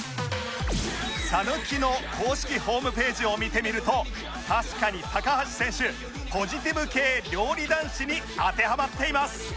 讃岐の公式ホームページを見てみると確かに高橋選手ポジティブ系料理男子に当てはまっています